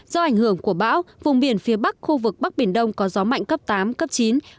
do ảnh hưởng của bão vùng biển phía bắc khu vực bắc biển đông có gió mạnh cấp tám cấp chín